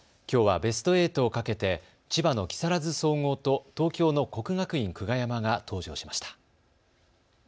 きょうはベスト８をかけて千葉の木更津総合と東京の国学院久我山が登場しました。